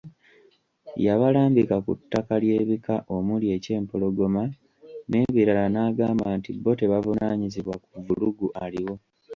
Yabalambika ku ttaka ly’ebika omuli ekyempologoma n’ebirala n’agamba nti bo tebavunaanyizibwa ku vvulugu aliwo.